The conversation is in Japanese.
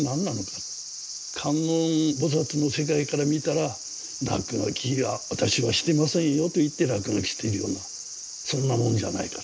観音菩薩の世界から見たら「落書きは私はしてませんよ」と言って落書きしているようなそんなもんじゃないかと。